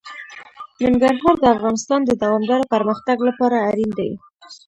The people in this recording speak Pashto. ننګرهار د افغانستان د دوامداره پرمختګ لپاره اړین دي.